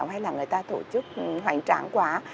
hay là người ta tổ chức hoành tráng quá